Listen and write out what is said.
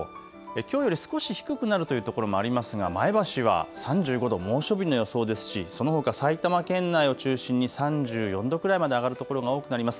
きょうより少し低くなるという所もありますが前橋は３５度、猛暑日の予想ですしそのほか埼玉県内を中心に３４度くらいまで上がる所が多くなります。